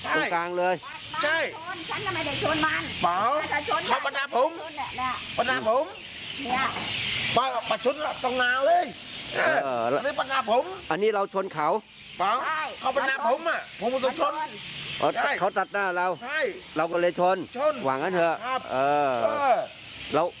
พุ่งมาตรงชนเขาตัดหน้าเราเราก็เลยชนหวังกันเถอะ